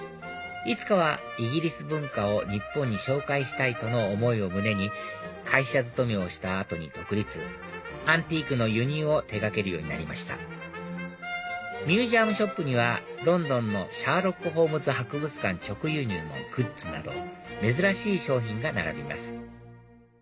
いつかはイギリス文化を日本に紹介したいとの思いを胸に会社勤めをした後に独立アンティークの輸入を手掛けるようになりましたミュージアムショップにはロンドンのシャーロック・ホームズ博物館直輸入のグッズなど珍しい商品が並びます